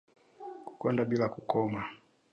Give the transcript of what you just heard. Kukonda bila kukoma